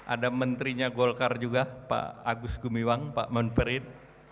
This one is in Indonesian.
ada menterinya golkar juga pak agus gumiwang pak menperin